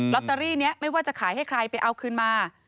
ตเตอรี่นี้ไม่ว่าจะขายให้ใครไปเอาคืนมา